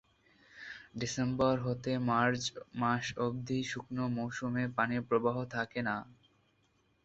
December হতে March মাস অবধি শুকনো মৌসুমে পানিপ্রবাহ থাকে না।